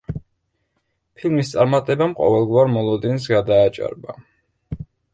ფილმის წარმატებამ ყოველგვარ მოლოდინს გადააჭარბა.